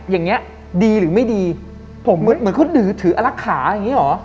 อย่างนี้ดีหรือไม่ดีผมเหมือนเขาดื้อถืออลักขาอย่างนี้เหรอ